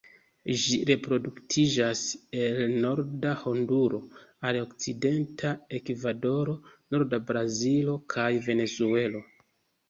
Ĝi reproduktiĝas el norda Honduro al okcidenta Ekvadoro, norda Brazilo kaj Venezuelo.